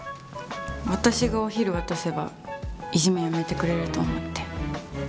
私がお昼渡せばいじめやめてくれると思って。